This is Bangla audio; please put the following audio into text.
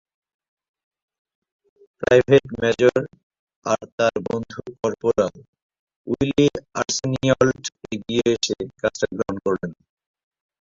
প্রাইভেট মেজর আর তার বন্ধু করপোরাল উইলি আর্সেনিয়ল্ট এগিয়ে এসে কাজটা গ্রহণ করলেন।